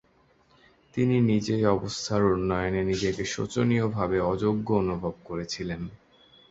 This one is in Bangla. তিনি নিজেই অবস্থার উন্নয়নে নিজেকে শোচনীয়ভাবে অযোগ্য অনুভব করেছিলেন।